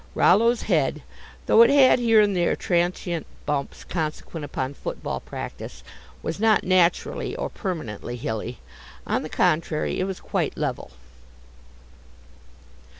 Rollo's head, though it had here and there transient bumps consequent upon foot ball practice, was not naturally or permanently hilly. On the contrary, it was quite level.